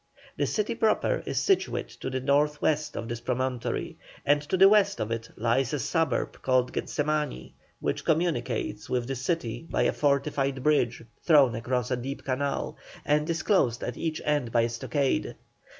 The city proper is situate to the north west of this promontory, and to the west of it lies a suburb called Getzemani, which communicates with the city by a fortified bridge thrown across a deep canal, and is closed at each end by a stockade.